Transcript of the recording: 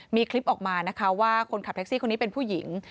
มีคลิปออกมานะคะว่าคนขับแท็กซี่คนนี้เป็นผู้หญิง